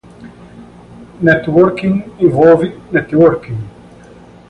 Networking envolve networking.